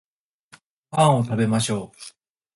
ご飯を食べましょう